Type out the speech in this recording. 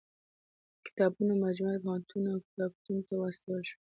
د کتابونو مجموعه پوهنتونونو او کتابتونو ته واستول شوه.